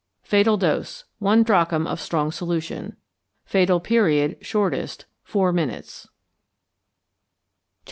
Fatal Dose. One drachm of strong solution. Fatal Period (Shortest). Four minutes. XVI.